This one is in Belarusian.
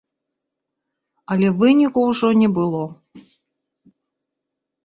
Але выніку ўжо не было.